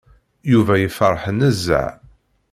Yuba yefreḥ nezzeh.